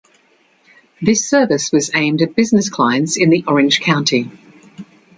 This service was aimed at business clients in the Orange County.